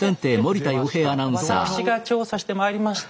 私が調査してまいりました。